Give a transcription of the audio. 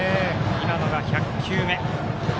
今のが１００球目。